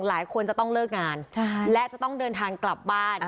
หลายคนจะต้องเลิกงานและจะต้องเดินทางกลับบ้าน